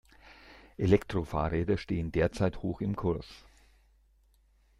Elektrofahrräder stehen derzeit hoch im Kurs.